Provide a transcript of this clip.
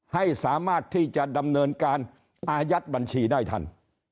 ให้สามารถที่จะดำเนินการอายัดบัญชีได้ทัน